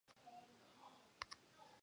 她曾冒险于二二八事件中抢救伤患。